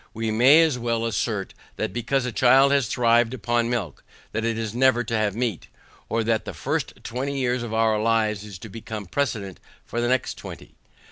We may as well assert that because a child has thrived upon milk, that it is never to have meat, or that the first twenty years of our lives is to become a precedent for the next twenty.